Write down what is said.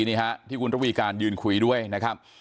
นี่ฮะที่คุณระวีการยืนคุยด้วยนะครับ